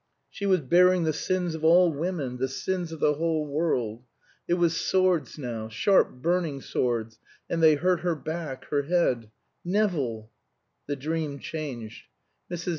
She was bearing the sins of all women, the sins of the whole world. It was swords now sharp burning swords, and they hurt her back her head Nevill! The dream changed. Mrs.